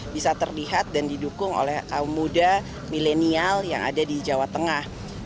bisa terlihat dan didukung oleh kaum muda milenial yang ada di jawa tengah